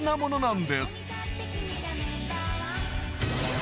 ん？